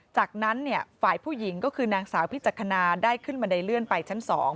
จากนั้นฝ่ายผู้หญิงก็คือนางสาวพิจักษณาได้ขึ้นบันไดเลื่อนไปชั้น๒